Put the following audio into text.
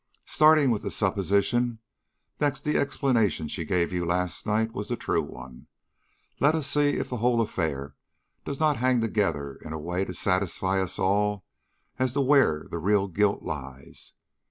Starting with the supposition that the explanation she gave you last night was the true one, let us see if the whole affair does not hang together in a way to satisfy us all as to where the real guilt lies.